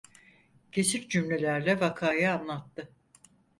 Kesik cümlelerle vakayı anlattı.